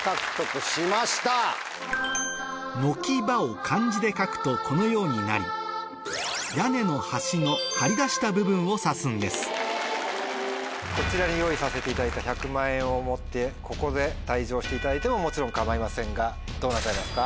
「のきば」を漢字で書くとこのようになりを指すんですこちらに用意させていただいた１００万円を持ってここで退場していただいてももちろん構いませんがどうなさいますか？